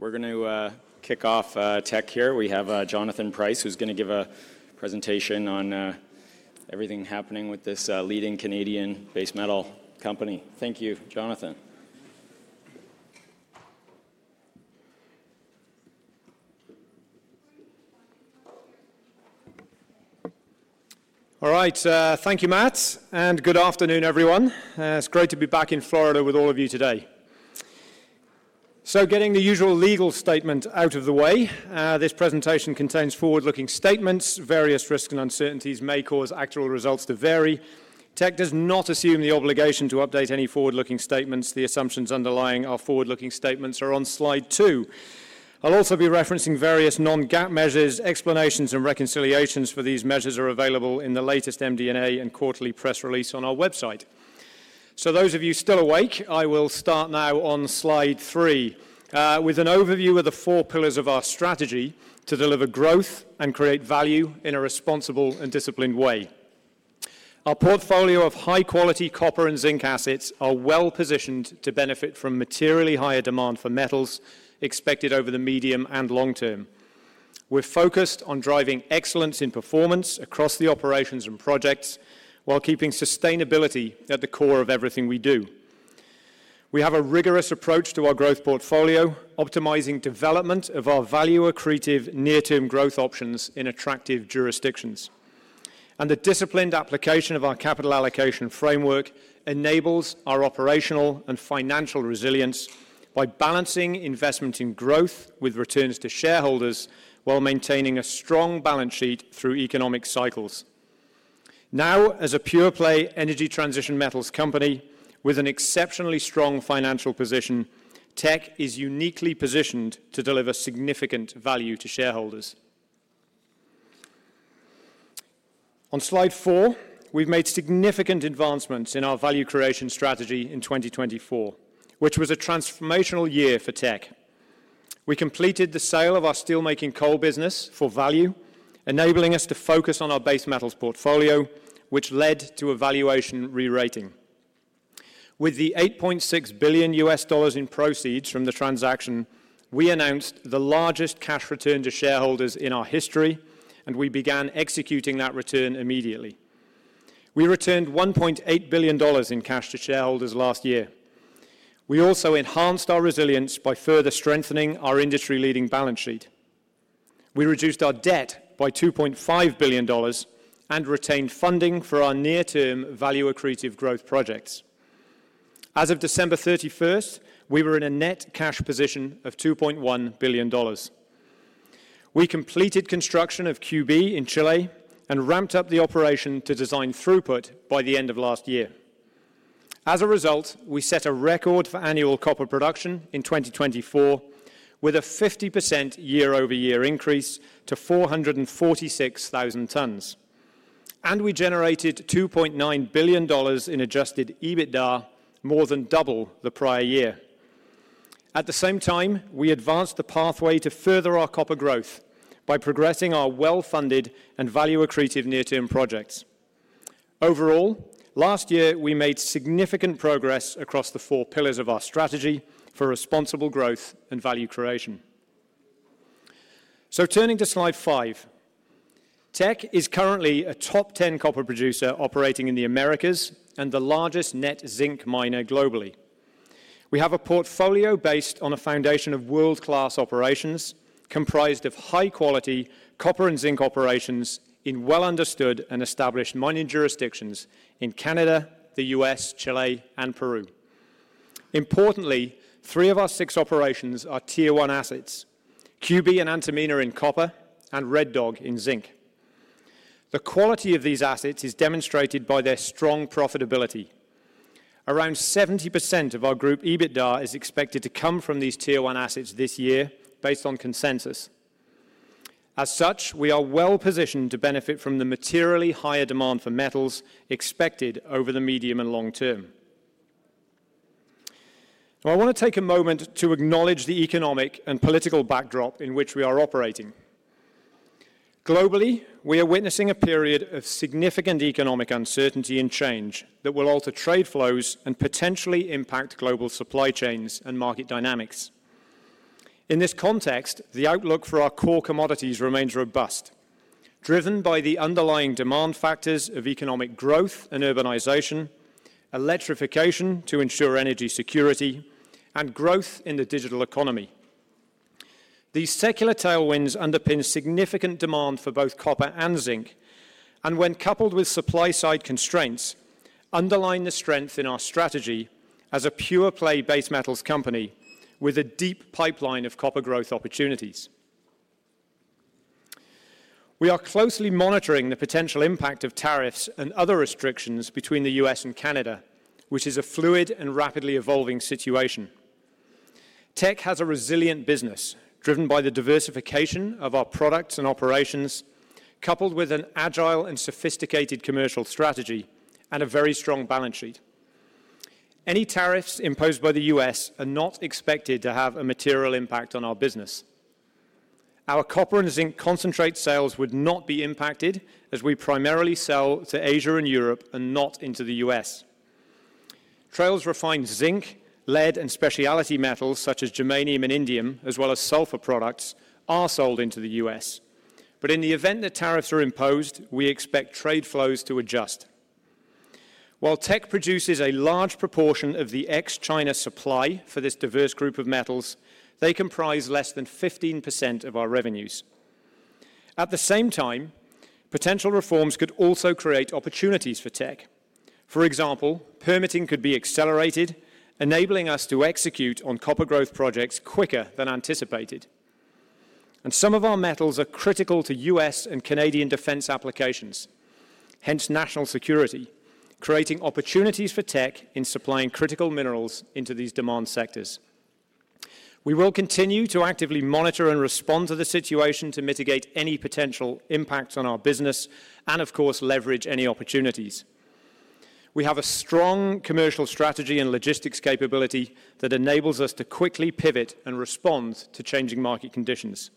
We're going to kick off Teck here. We have Jonathan Price, who's going to give a presentation on everything happening with this leading Canadian base metal company. Thank you, Jonathan. All right, thank you, Matt. And good afternoon, everyone. It's great to be back in Florida with all of you today. So, getting the usual legal statement out of the way, this presentation contains forward-looking statements. Various risks and uncertainties may cause actual results to vary. Teck does not assume the obligation to update any forward-looking statements. The assumptions underlying our forward-looking statements are on slide 2. I'll also be referencing various non-GAAP measures. Explanations and reconciliations for these measures are available in the latest MD&A and quarterly press release on our website. So, those of you still awake, I will start now on slide 3 with an overview of the four pillars of our strategy to deliver growth and create value in a responsible and disciplined way. Our portfolio of high-quality copper and zinc assets are well positioned to benefit from materially higher demand for metals expected over the medium and long term. We're focused on driving excellence in performance across the operations and projects while keeping sustainability at the core of everything we do. We have a rigorous approach to our growth portfolio, optimizing development of our value-accretive near-term growth options in attractive jurisdictions. And the disciplined application of our capital allocation framework enables our operational and financial resilience by balancing investment in growth with returns to shareholders while maintaining a strong balance sheet through economic cycles. Now, as a pure-play energy transition metals company with an exceptionally strong financial position, Teck is uniquely positioned to deliver significant value to shareholders. On slide 4, we've made significant advancements in our value creation strategy in 2024, which was a transformational year for Teck. We completed the sale of our steelmaking coal business for value, enabling us to focus on our base metals portfolio, which led to a valuation re-rating. With the $8.6 billion in proceeds from the transaction, we announced the largest cash return to shareholders in our history, and we began executing that return immediately. We returned $1.8 billion in cash to shareholders last year. We also enhanced our resilience by further strengthening our industry-leading balance sheet. We reduced our debt by $2.5 billion and retained funding for our near-term value-accretive growth projects. As of December 31st, we were in a net cash position of $2.1 billion. We completed construction of QB in Chile and ramped up the operation to design throughput by the end of last year. As a result, we set a record for annual copper production in 2024 with a 50% year-over-year increase to 446,000 tons. We generated $2.9 billion in Adjusted EBITDA, more than double the prior year. At the same time, we advanced the pathway to further our copper growth by progressing our well-funded and value-accretive near-term projects. Overall, last year, we made significant progress across the four pillars of our strategy for responsible growth and value creation. Turning to slide 5, Teck is currently a top 10 copper producer operating in the Americas and the largest net zinc miner globally. We have a portfolio based on a foundation of world-class operations comprised of high-quality copper and zinc operations in well-understood and established mining jurisdictions in Canada, the U.S., Chile, and Peru. Importantly, three of our six operations are Tier 1 assets: QB and Antamina in copper and Red Dog in zinc. The quality of these assets is demonstrated by their strong profitability. Around 70% of our group EBITDA is expected to come from these Tier 1 assets this year, based on consensus. As such, we are well positioned to benefit from the materially higher demand for metals expected over the medium and long term. I want to take a moment to acknowledge the economic and political backdrop in which we are operating. Globally, we are witnessing a period of significant economic uncertainty and change that will alter trade flows and potentially impact global supply chains and market dynamics. In this context, the outlook for our core commodities remains robust, driven by the underlying demand factors of economic growth and urbanization, electrification to ensure energy security, and growth in the digital economy. These secular tailwinds underpin significant demand for both copper and zinc, and when coupled with supply-side constraints, underline the strength in our strategy as a pure-play base metals company with a deep pipeline of copper growth opportunities. We are closely monitoring the potential impact of tariffs and other restrictions between the U.S. and Canada, which is a fluid and rapidly evolving situation. Teck has a resilient business driven by the diversification of our products and operations, coupled with an agile and sophisticated commercial strategy and a very strong balance sheet. Any tariffs imposed by the U.S. are not expected to have a material impact on our business. Our copper and zinc concentrate sales would not be impacted as we primarily sell to Asia and Europe and not into the U.S. Operations refined zinc, lead, and specialty metals such as germanium and indium, as well as sulfur products, are sold into the U.S. But in the event that tariffs are imposed, we expect trade flows to adjust. While Teck produces a large proportion of the ex-China supply for this diverse group of metals, they comprise less than 15% of our revenues. At the same time, potential reforms could also create opportunities for Teck. For example, permitting could be accelerated, enabling us to execute on copper growth projects quicker than anticipated. And some of our metals are critical to U.S. and Canadian defense applications, hence national security, creating opportunities for Teck in supplying critical minerals into these demand sectors. We will continue to actively monitor and respond to the situation to mitigate any potential impacts on our business and, of course, leverage any opportunities. We have a strong commercial strategy and logistics capability that enables us to quickly pivot and respond to changing market conditions.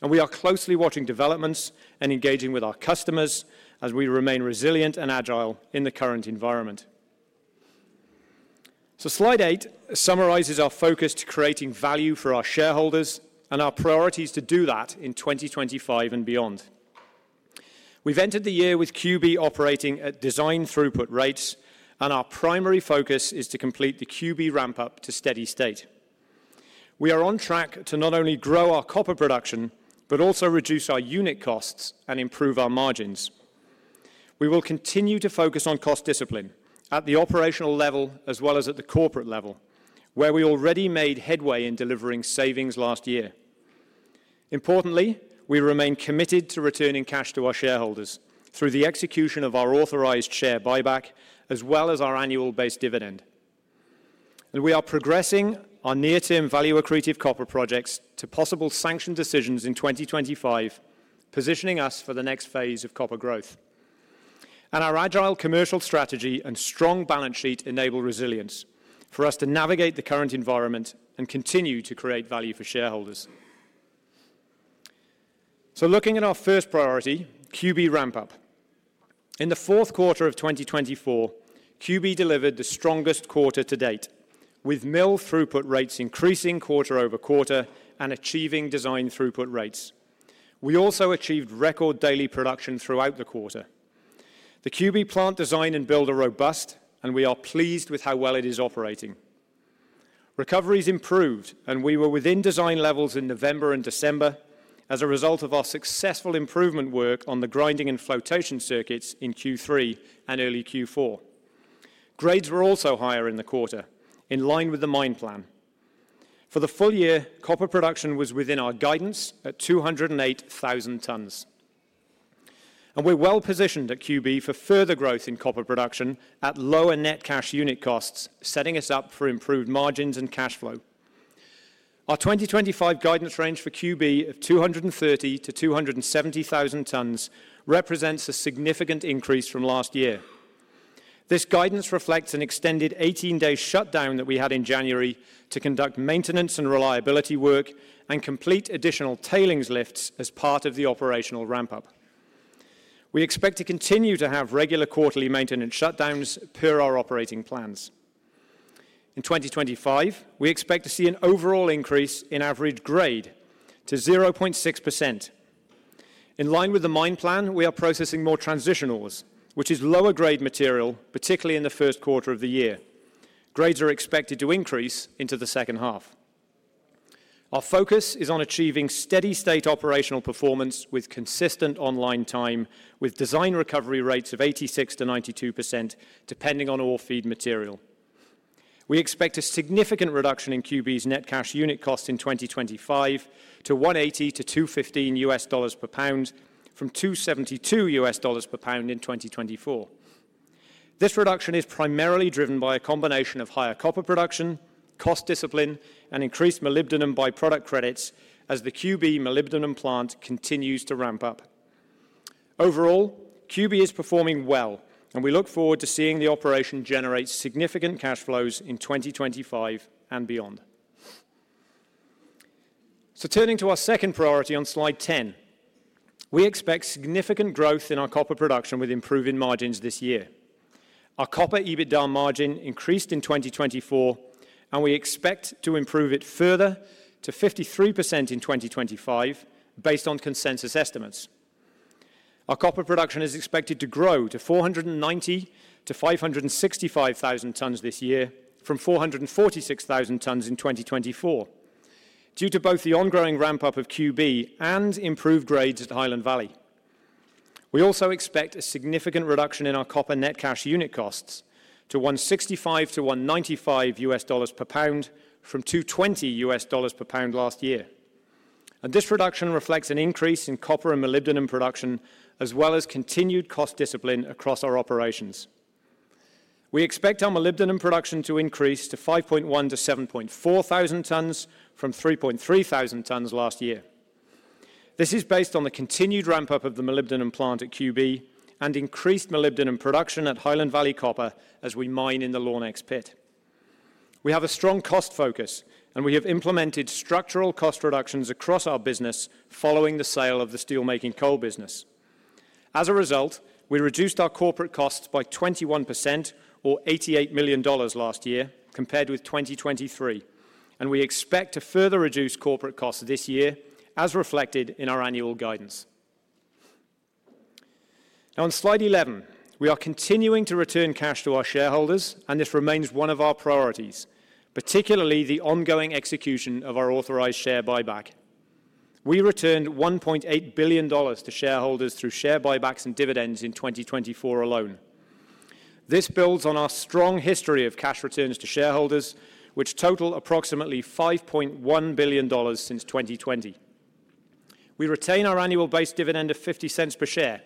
And we are closely watching developments and engaging with our customers as we remain resilient and agile in the current environment. So, slide 8 summarizes our focus to creating value for our shareholders and our priorities to do that in 2025 and beyond. We've entered the year with QB operating at design throughput rates, and our primary focus is to complete the QB ramp-up to steady state. We are on track to not only grow our copper production but also reduce our unit costs and improve our margins. We will continue to focus on cost discipline at the operational level as well as at the corporate level, where we already made headway in delivering savings last year. Importantly, we remain committed to returning cash to our shareholders through the execution of our authorized share buyback as well as our annual base dividend. And we are progressing our near-term value-accretive copper projects to possible sanction decisions in 2025, positioning us for the next phase of copper growth. And our agile commercial strategy and strong balance sheet enable resilience for us to navigate the current environment and continue to create value for shareholders. So, looking at our first priority, QB ramp-up. In the fourth quarter of 2024, QB delivered the strongest quarter to date, with mill throughput rates increasing quarter over quarter and achieving design throughput rates. We also achieved record daily production throughout the quarter. The QB plant design and build are robust, and we are pleased with how well it is operating. Recovery has improved, and we were within design levels in November and December as a result of our successful improvement work on the grinding and flotation circuits in Q3 and early Q4. Grades were also higher in the quarter, in line with the mine plan. For the full year, copper production was within our guidance at 208,000 tons, and we're well positioned at QB for further growth in copper production at lower net cash unit costs, setting us up for improved margins and cash flow. Our 2025 guidance range for QB of 230,000-270,000 tons represents a significant increase from last year. This guidance reflects an extended 18-day shutdown that we had in January to conduct maintenance and reliability work and complete additional tailings lifts as part of the operational ramp-up. We expect to continue to have regular quarterly maintenance shutdowns per our operating plans. In 2025, we expect to see an overall increase in average grade to 0.6%. In line with the mine plan, we are processing more transitionals, which is lower-grade material, particularly in the first quarter of the year. Grades are expected to increase into the second half. Our focus is on achieving steady-state operational performance with consistent online time, with design recovery rates of 86%-92% depending on ore feed material. We expect a significant reduction in QB's net cash unit costs in 2025 to $1.80-$2.15 per pound from $2.72 per pound in 2024. This reduction is primarily driven by a combination of higher copper production, cost discipline, and increased molybdenum by-product credits as the QB molybdenum plant continues to ramp up. Overall, QB is performing well, and we look forward to seeing the operation generate significant cash flows in 2025 and beyond. So, turning to our second priority on slide 10, we expect significant growth in our copper production with improving margins this year. Our copper EBITDA margin increased in 2024, and we expect to improve it further to 53% in 2025, based on consensus estimates. Our copper production is expected to grow to 490,000-565,000 tons this year from 446,000 tons in 2024, due to both the ongoing ramp-up of QB and improved grades at Highland Valley. We also expect a significant reduction in our copper net cash unit costs to $1.65-$1.95 per pound from $2.20 per pound last year. And this reduction reflects an increase in copper and molybdenum production as well as continued cost discipline across our operations. We expect our molybdenum production to increase to 5.1-7.4 thousand tons from 3.3 thousand tons last year. This is based on the continued ramp-up of the molybdenum plant at QB and increased molybdenum production at Highland Valley Copper as we mine in the Lornex pit. We have a strong cost focus, and we have implemented structural cost reductions across our business following the sale of the steelmaking coal business. As a result, we reduced our corporate costs by 21%, or $88 million last year, compared with 2023, and we expect to further reduce corporate costs this year, as reflected in our annual guidance. Now, on slide 11, we are continuing to return cash to our shareholders, and this remains one of our priorities, particularly the ongoing execution of our authorized share buyback. We returned $1.8 billion to shareholders through share buybacks and dividends in 2024 alone. This builds on our strong history of cash returns to shareholders, which total approximately $5.1 billion since 2020. We retain our annual base dividend of $0.50 per share.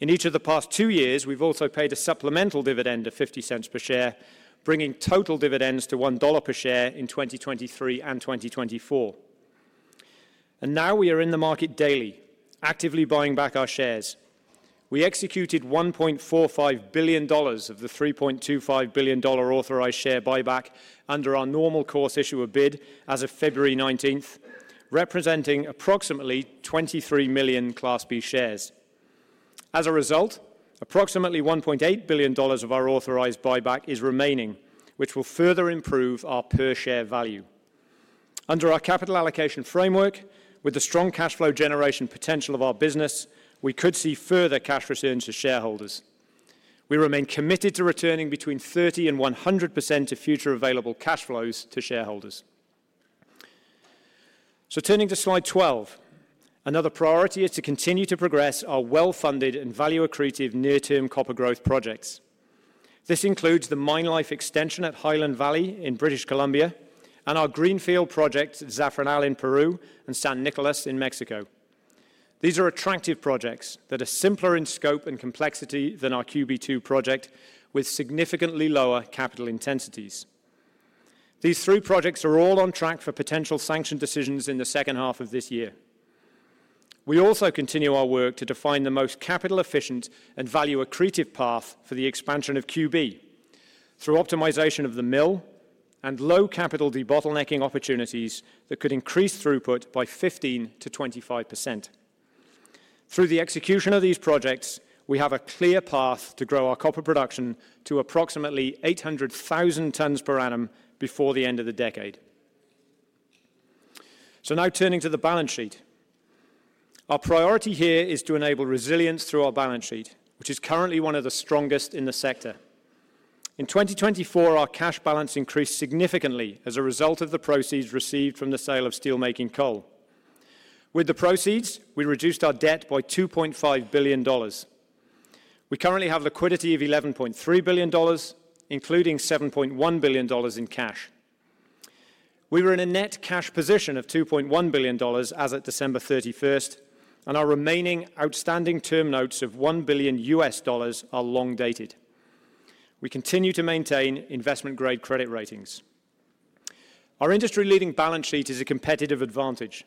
In each of the past two years, we've also paid a supplemental dividend of $0.50 per share, bringing total dividends to $1 per share in 2023 and 2024. And now we are in the market daily, actively buying back our shares. We executed $1.45 billion of the $3.25 billion authorized share buyback under our normal course issuer bid as of February 19th, representing approximately 23 million Class B shares. As a result, approximately $1.8 billion of our authorized buyback is remaining, which will further improve our per-share value. Under our capital allocation framework, with the strong cash flow generation potential of our business, we could see further cash returns to shareholders. We remain committed to returning between 30% and 100% of future available cash flows to shareholders. Turning to slide 12, another priority is to continue to progress our well-funded and value-accretive near-term copper growth projects. This includes the Mine Life Extension at Highland Valley in British Columbia and our greenfield projects, Zafranal in Peru and San Nicolás in Mexico. These are attractive projects that are simpler in scope and complexity than our QB2 project, with significantly lower capital intensities. These three projects are all on track for potential sanction decisions in the second half of this year. We also continue our work to define the most capital-efficient and value-accretive path for the expansion of QB through optimization of the mill and low capital debottlenecking opportunities that could increase throughput by 15%-25%. Through the execution of these projects, we have a clear path to grow our copper production to approximately 800,000 tons per annum before the end of the decade. Now turning to the balance sheet, our priority here is to enable resilience through our balance sheet, which is currently one of the strongest in the sector. In 2024, our cash balance increased significantly as a result of the proceeds received from the sale of steelmaking coal. With the proceeds, we reduced our debt by $2.5 billion. We currently have liquidity of $11.3 billion, including $7.1 billion in cash. We were in a net cash position of $2.1 billion as of December 31st, and our remaining outstanding term notes of $1 billion US dollars are long-dated. We continue to maintain investment-grade credit ratings. Our industry-leading balance sheet is a competitive advantage,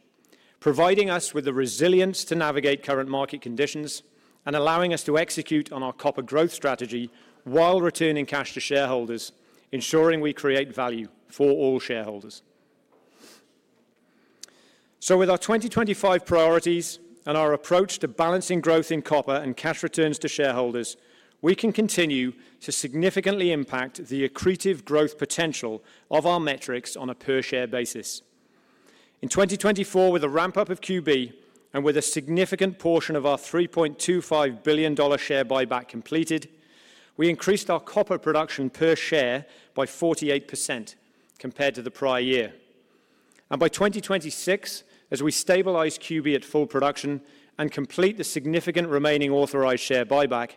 providing us with the resilience to navigate current market conditions and allowing us to execute on our copper growth strategy while returning cash to shareholders, ensuring we create value for all shareholders. With our 2025 priorities and our approach to balancing growth in copper and cash returns to shareholders, we can continue to significantly impact the accretive growth potential of our metrics on a per-share basis. In 2024, with a ramp-up of QB and with a significant portion of our $3.25 billion share buyback completed, we increased our copper production per share by 48% compared to the prior year. By 2026, as we stabilize QB at full production and complete the significant remaining authorized share buyback,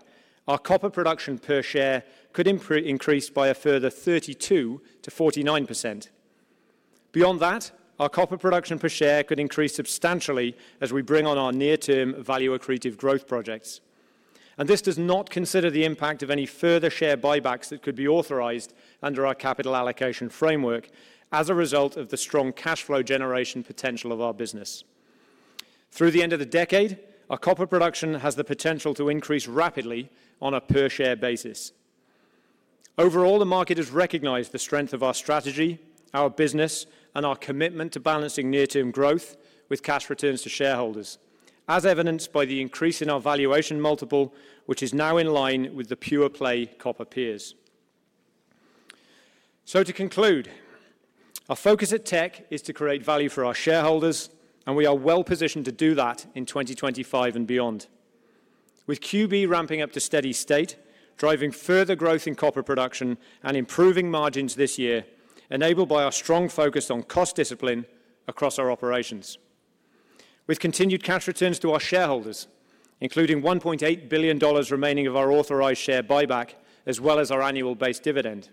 our copper production per share could increase by a further 32%-49%. Beyond that, our copper production per share could increase substantially as we bring on our near-term value-accretive growth projects. And this does not consider the impact of any further share buybacks that could be authorized under our capital allocation framework as a result of the strong cash flow generation potential of our business. Through the end of the decade, our copper production has the potential to increase rapidly on a per-share basis. Overall, the market has recognized the strength of our strategy, our business, and our commitment to balancing near-term growth with cash returns to shareholders, as evidenced by the increase in our valuation multiple, which is now in line with the pure-play copper peers. So, to conclude, our focus at Teck is to create value for our shareholders, and we are well positioned to do that in 2025 and beyond. With QB ramping up to steady state, driving further growth in copper production and improving margins this year, enabled by our strong focus on cost discipline across our operations. With continued cash returns to our shareholders, including $1.8 billion remaining of our authorized share buyback as well as our annual base dividend.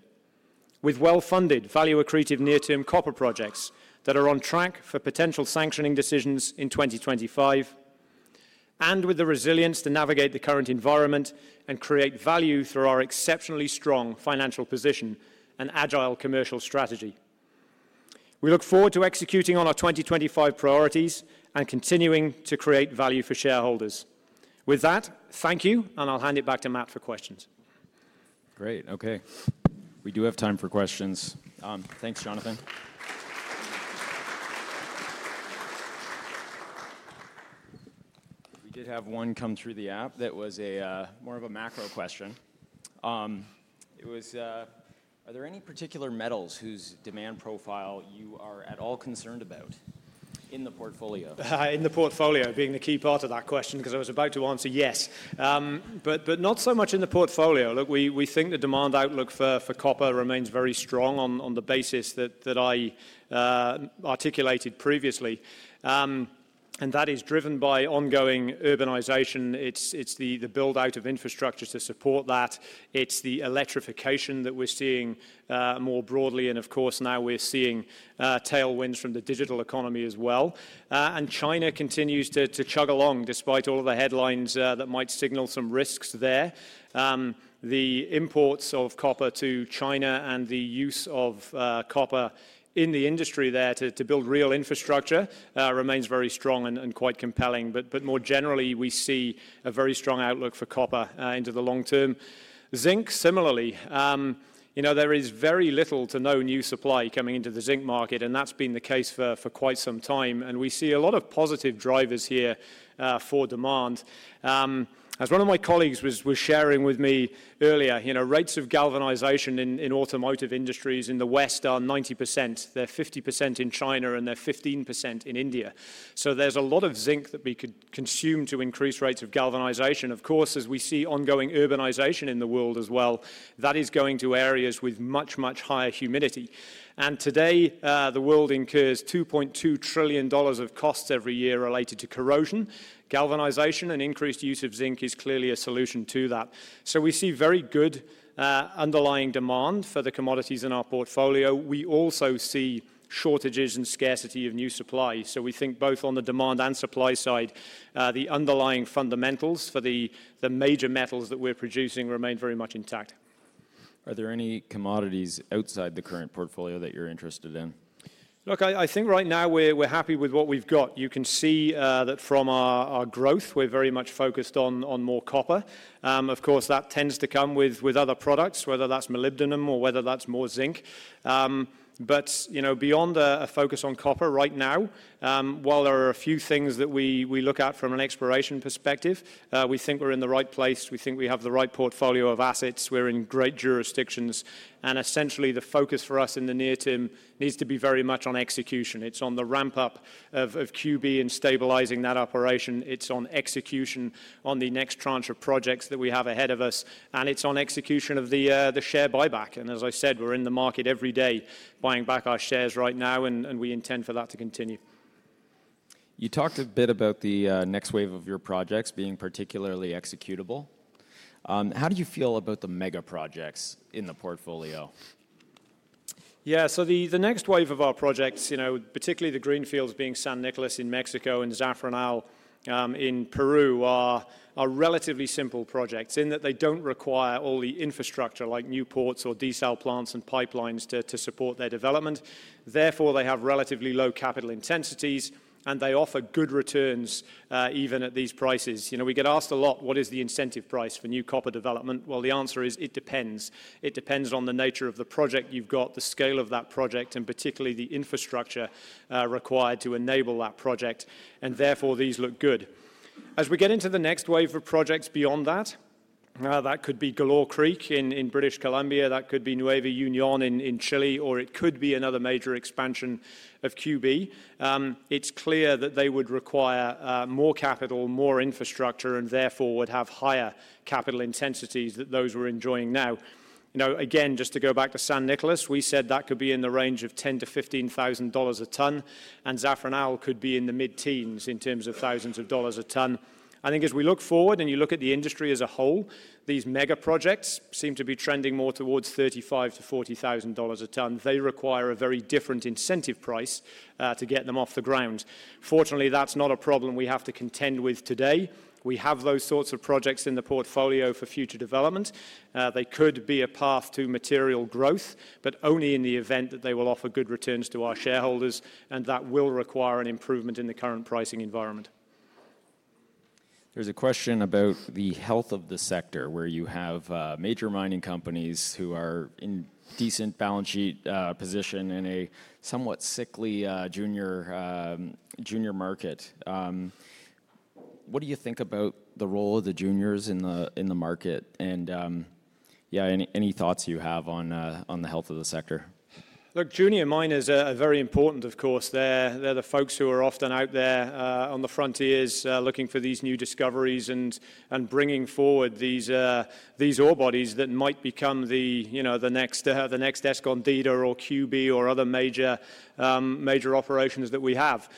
With well-funded value-accretive near-term copper projects that are on track for potential sanctioning decisions in 2025, and with the resilience to navigate the current environment and create value through our exceptionally strong financial position and agile commercial strategy. We look forward to executing on our 2025 priorities and continuing to create value for shareholders. With that, thank you, and I'll hand it back to Matt for questions. Great. Okay. We do have time for questions. Thanks, Jonathan. We did have one come through the app that was more of a macro question. It was, are there any particular metals whose demand profile you are at all concerned about in the portfolio? In the portfolio, being the key part of that question, because I was about to answer yes. But not so much in the portfolio. Look, we think the demand outlook for copper remains very strong on the basis that I articulated previously. And that is driven by ongoing urbanization. It's the build-out of infrastructure to support that. It's the electrification that we're seeing more broadly. And of course, now we're seeing tailwinds from the digital economy as well. And China continues to chug along despite all of the headlines that might signal some risks there. The imports of copper to China and the use of copper in the industry there to build real infrastructure remains very strong and quite compelling. But more generally, we see a very strong outlook for copper into the long term. Zinc, similarly. There is very little to no new supply coming into the zinc market, and that's been the case for quite some time, and we see a lot of positive drivers here for demand. As one of my colleagues was sharing with me earlier, rates of galvanization in automotive industries in the West are 90%. They're 50% in China and they're 15% in India, so there's a lot of zinc that we could consume to increase rates of galvanization. Of course, as we see ongoing urbanization in the world as well, that is going to areas with much, much higher humidity, and today, the world incurs $2.2 trillion of costs every year related to corrosion. Galvanization and increased use of zinc is clearly a solution to that, so we see very good underlying demand for the commodities in our portfolio. We also see shortages and scarcity of new supply. We think both on the demand and supply side, the underlying fundamentals for the major metals that we're producing remain very much intact. Are there any commodities outside the current portfolio that you're interested in? Look, I think right now we're happy with what we've got. You can see that from our growth, we're very much focused on more copper. Of course, that tends to come with other products, whether that's molybdenum or whether that's more zinc. But beyond a focus on copper right now, while there are a few things that we look at from an exploration perspective, we think we're in the right place. We think we have the right portfolio of assets. We're in great jurisdictions, and essentially, the focus for us in the near term needs to be very much on execution. It's on the ramp-up of QB and stabilizing that operation. It's on execution on the next tranche of projects that we have ahead of us. And it's on execution of the share buyback. As I said, we're in the market every day buying back our shares right now, and we intend for that to continue. You talked a bit about the next wave of your projects being particularly executable. How do you feel about the mega projects in the portfolio? Yeah, so the next wave of our projects, particularly the greenfields being San Nicolás in Mexico and Zafranal in Peru, are relatively simple projects in that they don't require all the infrastructure like new ports or desal plants and pipelines to support their development. Therefore, they have relatively low capital intensities, and they offer good returns even at these prices. We get asked a lot, what is the incentive price for new copper development? Well, the answer is it depends. It depends on the nature of the project you've got, the scale of that project, and particularly the infrastructure required to enable that project. And therefore, these look good. As we get into the next wave of projects beyond that, that could be Galore Creek in British Columbia. That could be Nueva Unión in Chile, or it could be another major expansion of QB. It's clear that they would require more capital, more infrastructure, and therefore would have higher capital intensities than those we're enjoying now. Again, just to go back to San Nicolás, we said that could be in the range of $10,000-$15,000 a ton, and Zafranal could be in the mid-teens in terms of thousands of dollars a ton. I think as we look forward and you look at the industry as a whole, these mega projects seem to be trending more towards $35,000-$40,000 a ton. They require a very different incentive price to get them off the ground. Fortunately, that's not a problem we have to contend with today. We have those sorts of projects in the portfolio for future development. They could be a path to material growth, but only in the event that they will offer good returns to our shareholders, and that will require an improvement in the current pricing environment. There's a question about the health of the sector where you have major mining companies who are in a decent balance sheet position in a somewhat sickly junior market. What do you think about the role of the juniors in the market? And yeah, any thoughts you have on the health of the sector? Look, junior miners are very important, of course. They're the folks who are often out there on the frontiers looking for these new discoveries and bringing forward these ore bodies that might become the next Escondida or QB or other major operations that we have.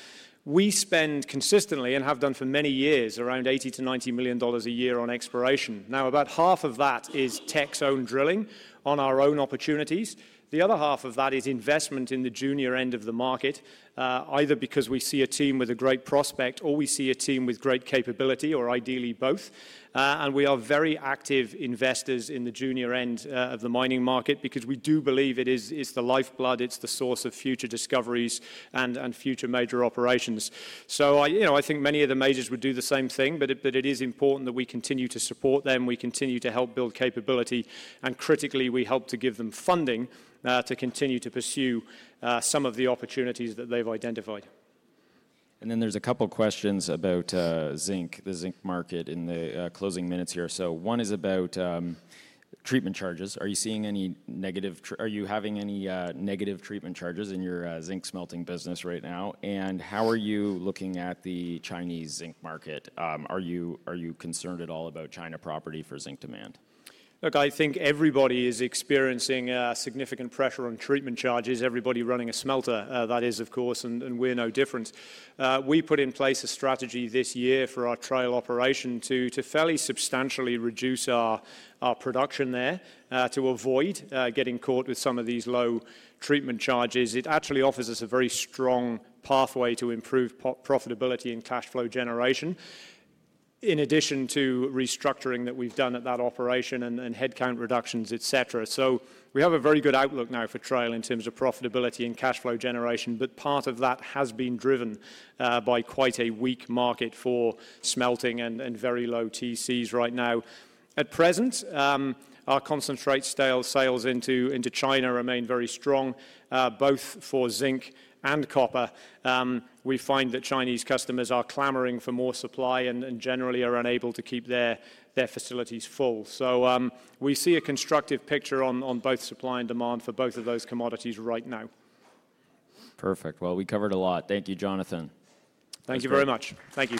We spend consistently and have done for many years around $80-$90 million a year on exploration. Now, about half of that is Teck's own drilling on our own opportunities. The other half of that is investment in the junior end of the market, either because we see a team with a great prospect or we see a team with great capability or ideally both, and we are very active investors in the junior end of the mining market because we do believe it is the lifeblood. It's the source of future discoveries and future major operations. So I think many of the majors would do the same thing, but it is important that we continue to support them. We continue to help build capability. And critically, we help to give them funding to continue to pursue some of the opportunities that they've identified. And then there's a couple of questions about zinc, the zinc market in the closing minutes here. So one is about treatment charges. Are you seeing any negative? Are you having any negative treatment charges in your zinc smelting business right now? And how are you looking at the Chinese zinc market? Are you concerned at all about China property for zinc demand? Look, I think everybody is experiencing significant pressure on treatment charges. Everybody running a smelter, that is, of course, and we're no different. We put in place a strategy this year for our Trail operation to fairly substantially reduce our production there to avoid getting caught with some of these low treatment charges. It actually offers us a very strong pathway to improve profitability and cash flow generation in addition to restructuring that we've done at that operation and headcount reductions, et cetera. So we have a very good outlook now for Trail in terms of profitability and cash flow generation, but part of that has been driven by quite a weak market for smelting and very low TCs right now. At present, our concentrate sales into China remain very strong, both for zinc and copper. We find that Chinese customers are clamoring for more supply and generally are unable to keep their facilities full. So we see a constructive picture on both supply and demand for both of those commodities right now. Perfect. Well, we covered a lot. Thank you, Jonathan. Thank you very much. Thank you.